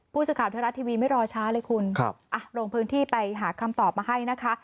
พูดสิทธิ์ข่าวธรรมดาทีวีไม่รอช้าเลยคุณโรงพื้นที่ไปหาคำตอบมาให้นะคะ